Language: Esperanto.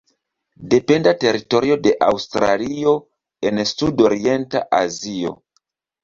Dependa teritorio de Aŭstralio en Sud-Orienta Azio.